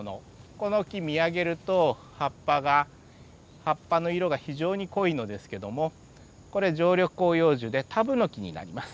この木見上げると葉っぱが葉っぱの色が非常に濃いのですけどもこれ常緑広葉樹でタブノキになります。